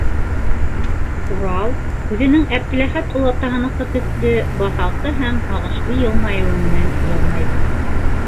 - Урал үҙенең Әптеләхәт олатаһыныҡы төҫлө баҫалҡы һәм һағышлы йылмайыуы менән йылмайҙы.